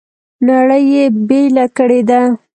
نړۍ یې بېله کړې ده.